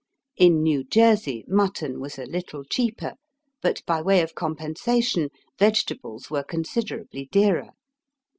In New Jersey mutton was a little cheaper, but by way of compensation vege tables were considerably dearer.